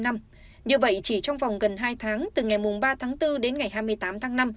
như vậy chỉ trong vòng gần hai tháng từ ngày ba tháng bốn đến ngày hai mươi tám tháng năm